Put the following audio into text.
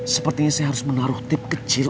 sepertinya saya harus menaruh tip kecil